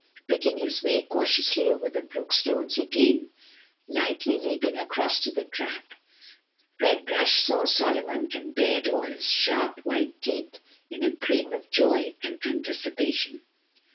Picking his way cautiously over the brook stones he came, lightly leaping across to the trap. Red Brush saw Solomon and bared all his sharp, white teeth, in a grin of joy and anticipation.